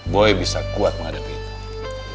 boy bisa kuat menghadapi itu